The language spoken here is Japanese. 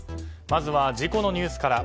まずは事故のニュースから。